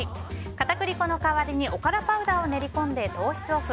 片栗粉の代わりにおからパウダーを練り込んで糖質オフ。